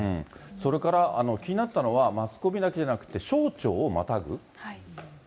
それから、気になったのはマスコミだけじゃなくて、省庁をまたぐ。